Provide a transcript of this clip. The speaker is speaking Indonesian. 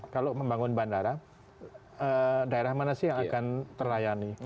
kalau membangun bandara daerah mana sih yang akan terlayani